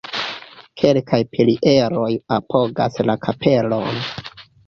Kelkaj pilieroj apogas la kapelon.